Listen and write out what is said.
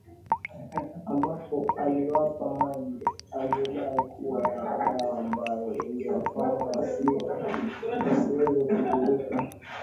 ambapo aliwapa maji aliyodai kuwa yana dawa ambayo ingewafanya wasiweze kudhurika